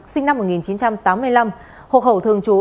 sinh năm một nghìn chín trăm tám mươi năm hộ khẩu thường trú